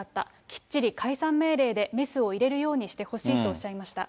きっちり解散命令でメスを入れるようにしてほしいとおっしゃいました。